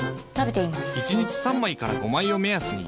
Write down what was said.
１日３枚から５枚を目安に。